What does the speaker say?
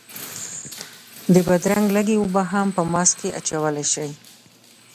د بادرنګ لږې اوبه هم په ماسک کې اچولی شئ.